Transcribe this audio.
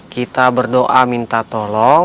kita berdoa minta tolong